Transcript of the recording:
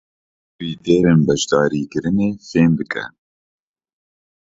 Sêv sor e.